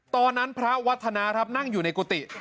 ตอนนั้นพระวัฒนาครับนั่งอยู่ในกุฏิ